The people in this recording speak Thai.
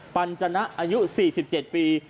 ปัญจนะอายุ๔๗ปี